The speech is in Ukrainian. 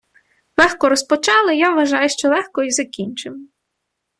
Легко розпочали, я вважаю, що легко і закінчимо.